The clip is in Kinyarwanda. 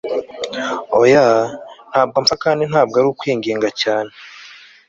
oya! ntabwo mpfa kandi ntabwo ari kwinginga cyane